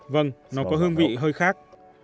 vâng nó có hương vị hơi khác